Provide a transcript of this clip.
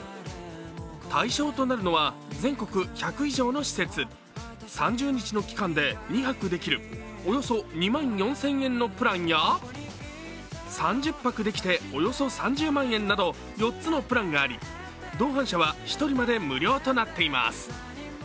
対象となるのは全国１００以上の施設３０日の期間で２泊できるおよそ２万４０００円のプランや３０泊できておよそ３０万円など４つのプランがあり同伴者は１人まで無料となっています。